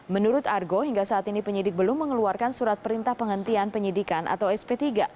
menurut argo hingga saat ini penyidik belum mengeluarkan surat perintah penghentian penyidikan atau sp tiga